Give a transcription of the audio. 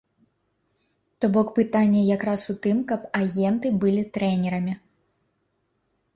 То бок, пытанне якраз у тым, каб агенты былі трэнерамі!